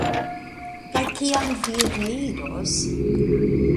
Kaj kiam vi reiros?